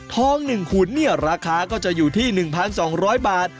ทองหนึ่งหุ่นเนี่ยราคาก็จะอยู่ที่๑๒๐๐บาท